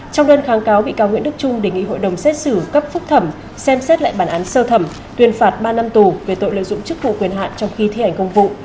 trong đơn kháng cáo bị cáo nguyễn đức trung đề nghị hội đồng xét xử cấp phúc thẩm xem xét lại bản án sơ thẩm tuyên phạt ba năm tù về tội lợi dụng chức vụ quyền hạn trong khi thi hành công vụ